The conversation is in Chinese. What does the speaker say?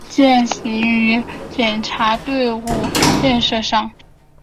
践行于检察队伍建设上